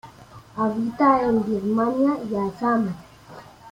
Habita en Birmania y Assam.